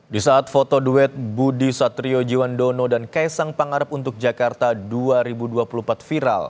di saat foto duet budi satriojiwandono dan kaisang pangarep untuk jakarta dua ribu dua puluh empat viral